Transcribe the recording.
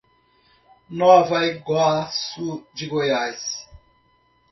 Nova Iguaçu de Goiás